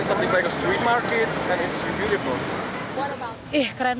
apakah anda menarik